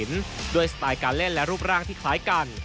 ด้วยสไตล์การเล่นและรูปร่างที่คล้ายกัน